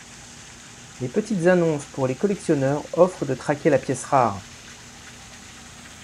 Les petites annonces pour les collectionneurs offrent de traquer la pièce rare.